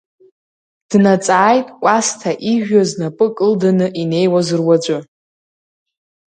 Днаҵааит Кәасҭа ижәҩа знапы кылданы инеиуаз руаӡәы.